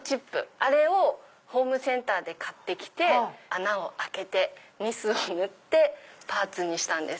あれをホームセンターで買って来て穴を開けてニスを塗ってパーツにしたんです。